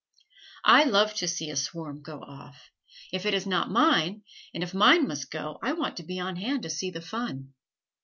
I love to see a swarm go off if it is not mine, and if mine must go I want to be on hand to see the fun.